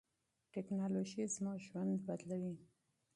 ټیکنالوژي زموږ ژوند بدلوي.